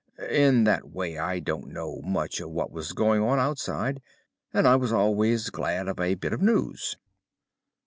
In that way I didn't know much of what was going on outside, and I was always glad of a bit of news.